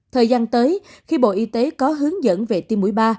thời gian tới khi bộ y tế có hướng dẫn về tiêm mũi ba